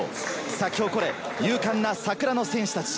咲き誇れ、勇敢な桜の戦士たち。